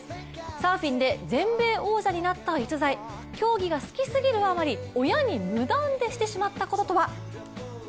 サーフィンで全米王者になった逸材競技が好きすぎるあまり親に無断でしてしまったこととは！？